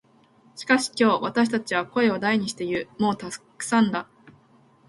しかし今日、私たちは声を大にして言う。「もうたくさんだ」。